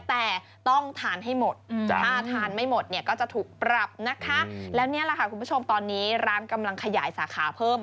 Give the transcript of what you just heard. แต่ต้องทานให้หมดถ้าทานไม่หมดเนี่ยก็จะถูกปรับนะคะแล้วนี่แหละค่ะคุณผู้ชมตอนนี้ร้านกำลังขยายสาขาเพิ่ม